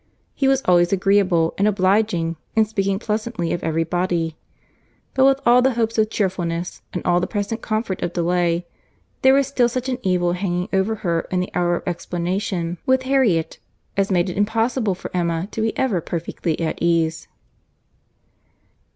He was always agreeable and obliging, and speaking pleasantly of every body. But with all the hopes of cheerfulness, and all the present comfort of delay, there was still such an evil hanging over her in the hour of explanation with Harriet, as made it impossible for Emma to be ever perfectly at ease.